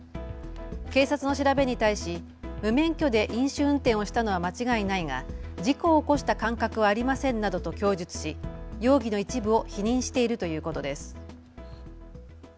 警察の調べに対し無免許で飲酒運転をしたのは間違いないが事故を起こした感覚はありませんなどと供述し容疑の一部を否認しているということです。